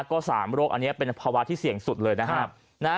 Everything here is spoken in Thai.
ก็๓โรคอันนี้เป็นภาวะที่เสี่ยงสุดเลยนะครับ